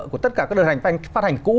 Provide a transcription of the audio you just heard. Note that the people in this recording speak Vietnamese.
của tất cả các đợt phát hành cũ